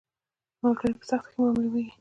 ملګری په سخته کې معلومیږي